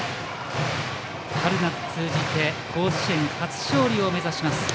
春夏通じて甲子園初勝利を目指します。